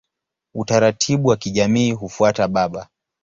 Utaratibu wa kijamii hufuata baba.